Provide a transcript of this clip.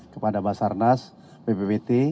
kepada basarnas bppt